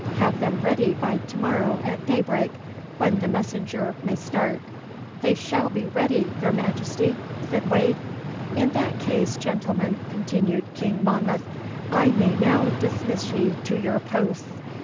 Have them ready by to morrow at daybreak, when the messenger may start.' (Note H, Appendix.) 'They shall be ready, your Majesty,' said Wade. 'In that case, gentlemen,' continued King Monmouth, 'I may now dismiss ye to your posts.